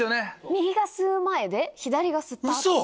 右が吸う前で左が吸った後。